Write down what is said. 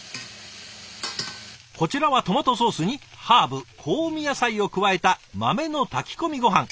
こちらはトマトソースにハーブ香味野菜を加えた豆の炊き込みごはん。